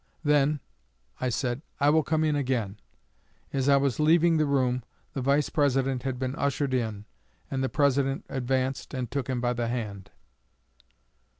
'Then,' I said, 'I will come in again.' As I was leaving the room, the Vice President had been ushered in, and the President advanced and took him by the hand."